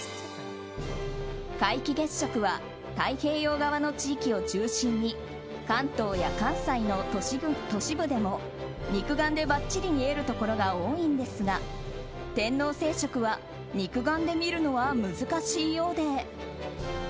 皆既月食は太平洋側の地域を中心に関東や関西の都市部でも肉眼でばっちり見えるところが多いんですが天王星食は肉眼で見るのは難しいようで。